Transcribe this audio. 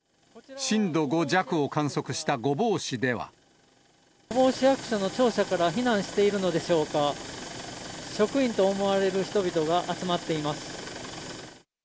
御坊市役所の庁舎から避難しているのでしょうか、職員と思われる人々が集まっています。